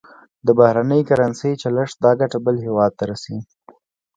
د بهرنۍ کرنسۍ چلښت دا ګټه بل هېواد ته رسوي.